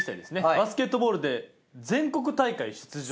バスケットボールで全国大会出場。